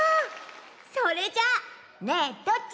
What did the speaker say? それじゃ「ねえどっち？」